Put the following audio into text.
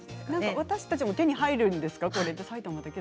私たちも手に入るんですか？